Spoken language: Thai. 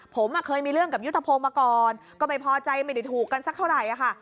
ผมเคยมีเรื่องกับยุทธพงศ์มาก่อนก็ไม่พอใจไม่ได้ถูกกันสักเท่าไหร่ค่ะ